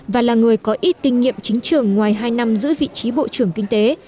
và là người có ít kinh nghiệm chính trường ngoài hai năm giữ vị trí bộ trưởng kinh tế